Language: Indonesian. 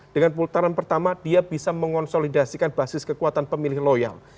dengan putaran pertama dia bisa mengonsolidasikan basis kekuatan pemilih loyal